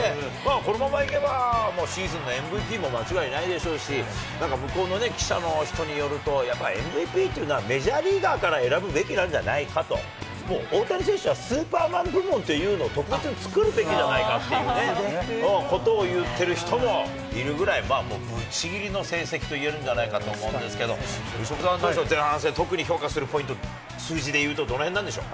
このままいけば、もうシーズンのＭＶＰも間違いないでしょうし、なんか向こうの記者の人によると、やっぱりＭＶＰというのは、メジャーリーガーから選ぶべきなんじゃないかと、もう大谷選手はスーパーマン部門というのを、特別に作るべきじゃないかっていうね、ことを言ってる人もいるぐらい、もうぶっちぎりの成績といえるんじゃないかと思うんですけど、由伸さん、どうでしょう、前半戦、特に評価するポイント、数字でいうと、どのへんなんでしょう。